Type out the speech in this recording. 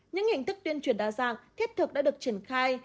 những hình thức tuyên truyền đa dạng thiết thực đã được triển khai